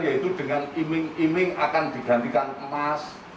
yaitu dengan iming iming akan digantikan emas